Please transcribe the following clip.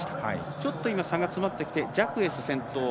ちょっと差が詰まってきてジャクエス先頭。